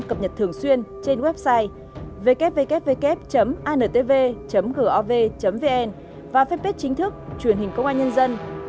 cập nhật thường xuyên trên website ww antv gov vn và fanpage chính thức truyền hình công an nhân dân